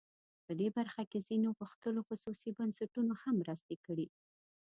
په دې برخه کې ځینو غښتلو خصوصي بنسټونو هم مرستې کړي.